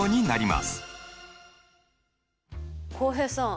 浩平さん